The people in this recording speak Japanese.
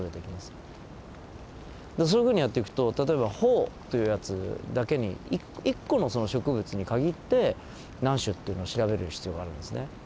だからそういうふうにやってくと例えばホオというやつだけに１個のその植物に限って何種というのを調べる必要があるんですね。